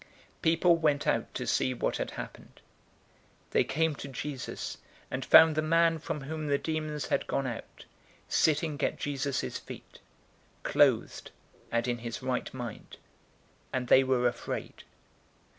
008:035 People went out to see what had happened. They came to Jesus, and found the man from whom the demons had gone out, sitting at Jesus' feet, clothed and in his right mind; and they were afraid.